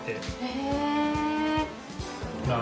へえ。